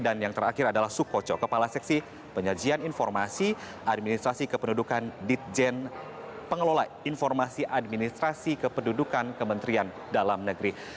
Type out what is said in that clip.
dan yang terakhir adalah sukojo kepala seksi penyajian informasi administrasi kependudukan ditjen pengelola informasi administrasi kependudukan kementerian dalam negeri